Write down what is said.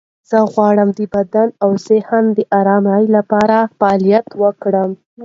زه غواړم د بدن او ذهن د آرامۍ لپاره فعالیت وکړم.